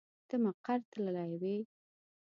ته مقر تللی وې.